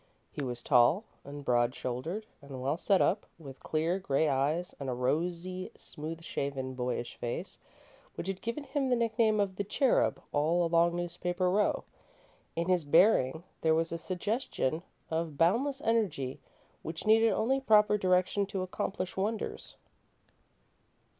He was tall and broad shouldered and well set up, with clear grey eyes and a rosy, smooth shaven, boyish face which had given him the nickname of "The Cherub" all along Newspaper Row. In his bearing there was a suggestion of boundless energy, which needed only proper direction to accomplish wonders.